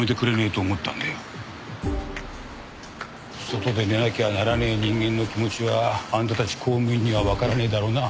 外で寝なきゃならねえ人間の気持ちはあんたたち公務員にはわからねえだろうな。